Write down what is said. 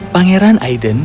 pangeran aiden berkata